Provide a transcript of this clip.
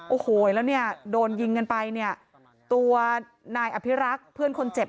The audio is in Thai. โอ้โหแล้วเนี่ยโดนยิงกันไปเนี่ยตัวนายอภิรักษ์เพื่อนคนเจ็บ